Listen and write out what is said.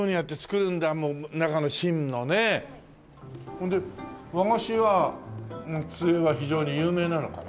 ほんで和菓子は松江は非常に有名なのかな？